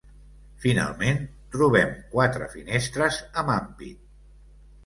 Finalment, trobem quatre finestres amb ampit.